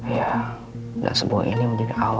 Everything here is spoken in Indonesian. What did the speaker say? ya gak sebuah ini menjadi awal